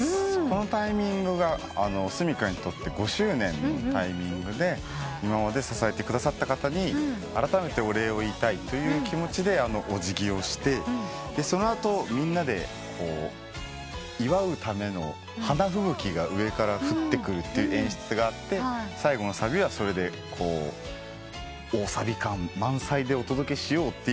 このタイミングがｓｕｍｉｋａにとって５周年のタイミングで今まで支えてくださった方にあらためてお礼を言いたいという気持ちでお辞儀をしてその後みんなで祝うための花吹雪が上から降ってくるって演出があって最後のサビはそれで大サビ感満載でお届けしようって構成なんです。